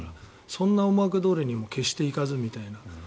そんな思惑どおりにも決していかずみたいな。